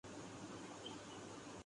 تبدیل ہو جائے گی۔